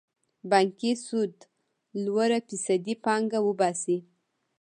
د بانکي سود لوړه فیصدي پانګه وباسي.